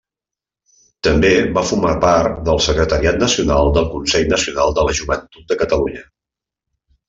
També va formar part del secretariat nacional del Consell Nacional de la Joventut de Catalunya.